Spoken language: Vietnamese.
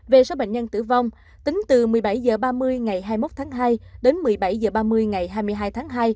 về số bệnh nhân tử vong tính từ một mươi bảy h ba mươi ngày hai mươi một tháng hai đến một mươi bảy h ba mươi ngày hai mươi hai tháng hai